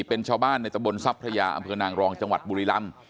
เป็นชาวบ้านในตะบนทรัพยาอำเภอนางรองจังหวัดบุรีลำ